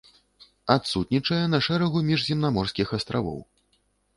Адсутнічае на шэрагу міжземнаморскіх астравоў.